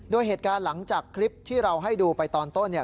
โดยเหตุการณ์หลังจากคลิปที่เราให้ดูไปตอนต้นเนี่ย